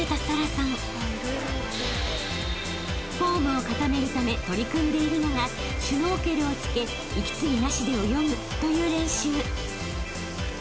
［フォームを固めるため取り組んでいるのがシュノーケルをつけ息継ぎなしで泳ぐという練習］